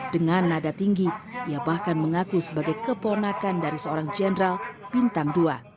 dengan nada tinggi ia bahkan mengaku sebagai keponakan dari seorang jenderal bintang dua